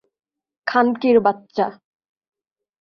খানকির বাচ্চা!